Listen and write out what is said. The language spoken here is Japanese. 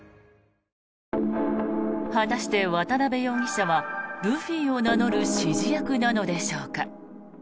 果たして渡邉容疑者はルフィを名乗る指示役なのでしょうか。